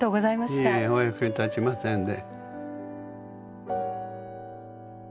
いやいやお役に立ちませんで。